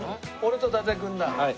俺と伊達君だ。